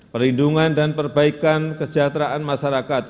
perlindungan dan perbaikan kesejahteraan masyarakat